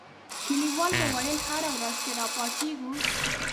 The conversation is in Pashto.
کلیوالو به ویل هره ورځ چې را پاڅېږو.